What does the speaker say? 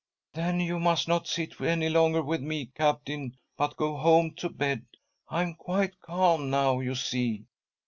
"Then you must not sit any longer with me, Captain, but go home to bed. I am quite calm now, you see."